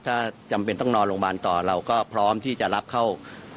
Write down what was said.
ถ้าจำเป็นต้องนอนโรงพยาบาลต่อเราก็พร้อมที่จะรับเข้า